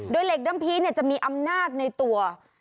โดยเหล็กน้ำพีจะมีอำนาจในตัว